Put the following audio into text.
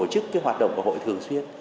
chức cái hoạt động của hội thường xuyên